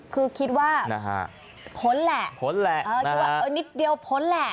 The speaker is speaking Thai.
คือคิดว่าขนแหละนิดเดียวขนแหละ